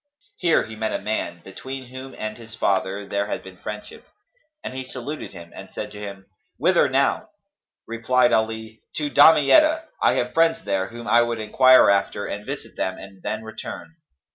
[FN#267] Here he met a man, between whom and his father there had been friendship, and he saluted him and said to him, "Whither now?" Replied Ali, "To Damietta: I have friends there, whom I would enquire after and visit them and then return."